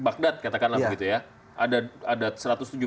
bagdad katakanlah begitu ya